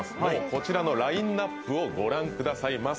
こちらのラインアップをご覧くださいませ。